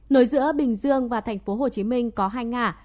nối giữa bình dương và thành phố hồ chí minh có hai ngã